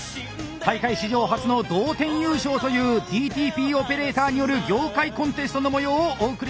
大会史上初の同点優勝というＤＴＰオペレーターによる業界コンテストの模様をお送りしました！